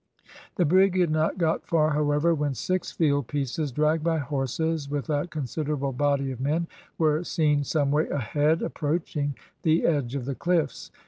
The brig had not got far, however, when six field pieces, dragged by horses, with a considerable body of men, were seen some way ahead approaching the edge of the cliffs.